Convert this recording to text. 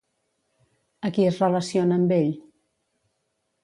A qui es relaciona amb ell?